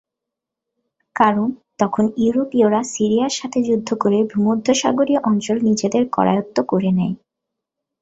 কারণ, তখন ইউরোপীয়রা সিরিয়ার সাথে যুদ্ধ করে ভূমধ্যসাগরীয় অঞ্চল নিজেদের করায়ত্ত করে নেয়।